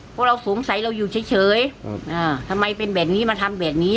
เพราะเราสงสัยเราอยู่เฉยทำไมเป็นแบบนี้มาทำแบบนี้